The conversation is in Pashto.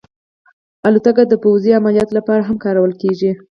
الوتکه د پوځي عملیاتو لپاره هم کارول کېږي.